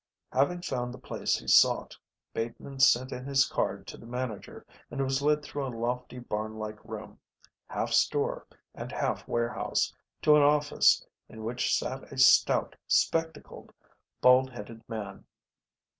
Having found the place he sought, Bateman sent in his card to the manager and was led through a lofty barn like room, half store and half warehouse, to an office in which sat a stout, spectacled, bald headed man.